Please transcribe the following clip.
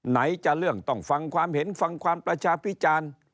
ไหนจะเรื่องต้องฟังความเห็นฟังความประชาพิจารณ์